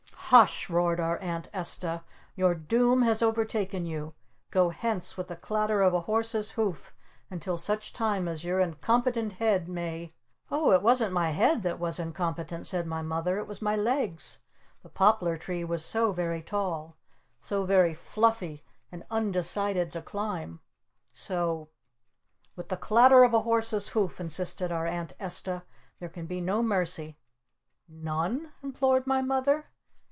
"Hush!" roared our Aunt Esta. "Your Doom has overtaken you! Go hence with the clatter of a Horse's Hoof until such time as your Incompetent Head may " "Oh, it wasn't my head that was incompetent," said my Mother. "It was my legs. The Poplar Tree was so very tall! So very fluffy and undecided to climb! So " "With the clatter of a Horse's Hoof!" insisted our Aunt Esta. "There can be no mercy!" "None?" implored my Mother.